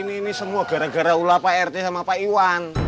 ini semua gara gara ulah pak rt sama pak iwan